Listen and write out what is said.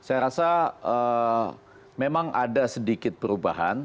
saya rasa memang ada sedikit perubahan